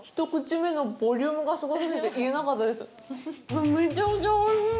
もう、めちゃくちゃおいしい！